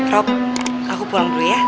rob aku buang dulu ya